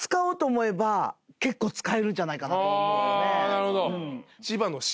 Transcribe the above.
なるほど。